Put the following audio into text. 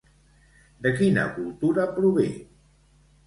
De quina cultura prové?